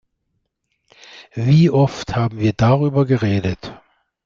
Wie oft haben wir darüber geredet?